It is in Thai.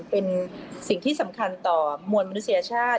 เป็นสิ่งที่สำคัญต่อมวลมนุษยชาติ